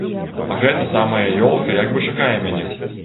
А гэта самая ёлка як бы чакае мяне.